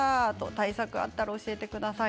対策があったら教えてください。